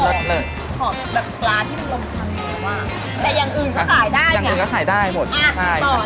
ทานง่ายนะจะบอกว่ารสชาติที่แบบไม่โดดแหลมฟรีป๊าสแต่ว่ากลมกรอกเด็กมันจะชอบ